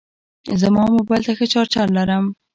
زما موبایل ته ښه چارجر لرم.